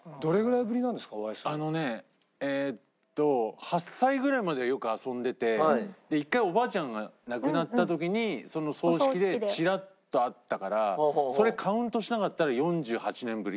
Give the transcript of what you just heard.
あのねえっと８歳ぐらいまではよく遊んでて一回おばあちゃんが亡くなった時にその葬式でチラッと会ったからそれカウントしなかったら４８年ぶり。